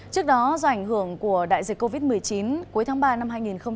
trước đó do ảnh hưởng của đại dịch covid một mươi chín cuối tháng ba năm hai nghìn hai mươi